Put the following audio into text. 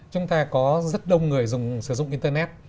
chúng ta có rất đông người sử dụng internet